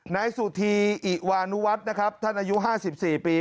นายสุธีอิวานุวัฒน์นะครับท่านอายุ๕๔ปี